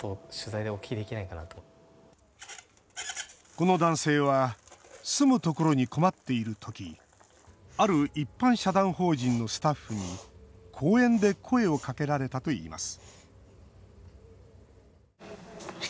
この男性は住むところに困っている時ある一般社団法人のスタッフに公園で声をかけられたといいます